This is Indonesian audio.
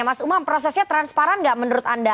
mas umang prosesnya transparan tidak menurut anda